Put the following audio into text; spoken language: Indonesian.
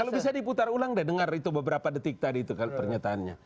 kalau bisa diputar ulang deh dengar itu beberapa detik tadi itu pernyataannya